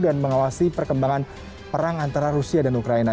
dan mengawasi perkembangan perang antara rusia dan ukraina